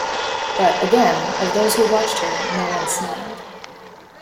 But, again, of those who watched her no one smiled.